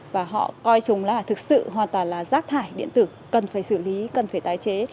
và họ coi chúng là thực sự hoàn toàn là rác thải điện tử cần phải xử lý cần phải tái chế